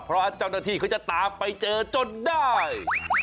เพราะว่าเจ้าหน้าที่เขาจะตามไปเจอจนได้